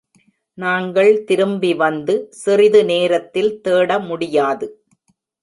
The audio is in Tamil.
நாங்கள் திரும்பி வந்து சிறிது நேரத்தில் தேட முடியாது.